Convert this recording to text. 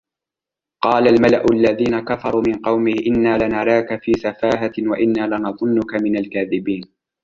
قال الملأ الذين كفروا من قومه إنا لنراك في سفاهة وإنا لنظنك من الكاذبين